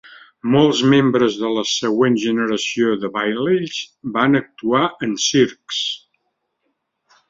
Molts membres de la següent generació de Baileys van actuar en circs.